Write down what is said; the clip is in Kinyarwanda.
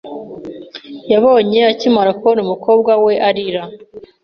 Yabonye akimara kubona umukobwa we arira.